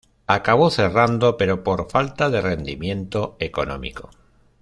Acabó cerrando, pero, por falta de rendimiento económico.